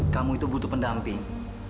kamu itu butuh pendamping